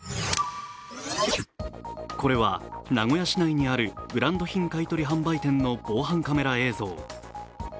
これは名古屋市内にあるブランド品買い取り店にある防犯カメラ映像。